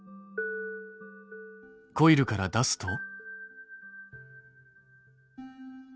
コイルから出すと。